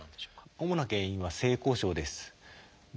主な原因は性交渉です。